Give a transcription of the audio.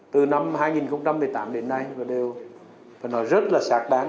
từ năm hai nghìn một mươi tám đến nay tôi đều rất là sạc đáng